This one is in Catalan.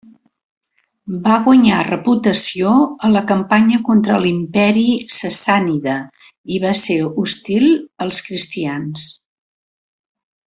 Va guanyar reputació a la campanya contra l'Imperi Sassànida i va ser hostil als cristians.